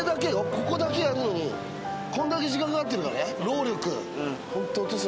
ここだけやるのにこんだけ時間かかってるからね労力。